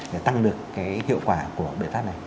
để tăng được cái hiệu quả của biện pháp này